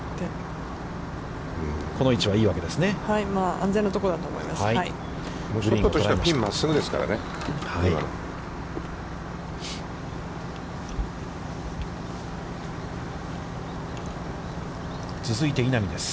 安全なところだと思います。